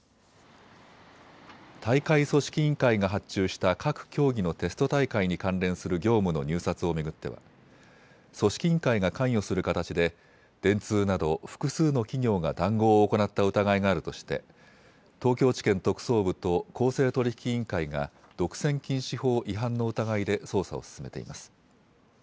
大会組織委員会が発注した各競技のテスト大会に関連する業務の入札を巡っては組織委員会が関与する形で電通など複数の企業が談合を行った疑いがあるとして東京地検特捜部と公正取引委員会が独占禁止法違反の疑いで捜査を進めています。